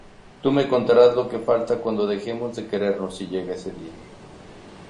tú me contarás lo que falta cuando dejemos de querernos, si llega ese día.